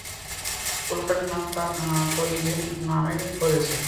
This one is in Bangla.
উল্কাটার নামও তো নিজের নামে করেছেন।